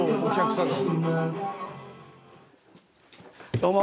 どうも。